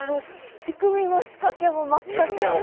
仕組みも仕掛けも全く分かんない。